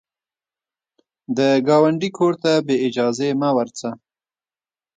د ګاونډي کور ته بې اجازې مه ورځه